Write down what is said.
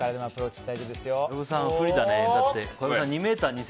小籔さん、不利だね。